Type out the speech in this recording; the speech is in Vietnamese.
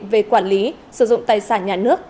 về quản lý sử dụng tài sản nhà nước